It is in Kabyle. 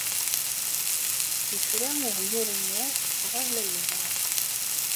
Yefra ugur-nni s tɣawla n lebreq.